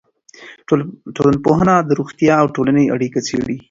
ټولنپوهنه د روغتیا او ټولنې اړیکه څېړي.